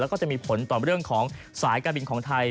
แล้วก็จะมีผลต่อเรื่องของสายการบินของไทย